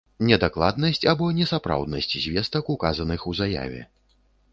Недакладнасць або несапраўднасць звестак, указаных у заяве.